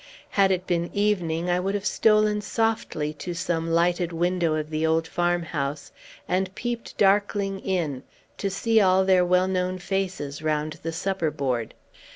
Had it been evening, I would have stolen softly to some lighted window of the old farmhouse, and peeped darkling in, to see all their well known faces round the supper board.